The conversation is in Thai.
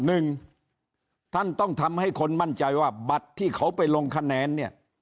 หนึ่งท่านต้องทำให้คนมั่นใจว่าบัตรที่เขาไปลงคะแนนเนี่ย